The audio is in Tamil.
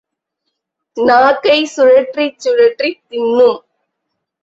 நாக்கைச் சுழற்றிச் சுழற்றித் தின்னும்.